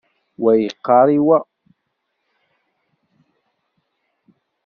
Wa yeqqaṛ i wa.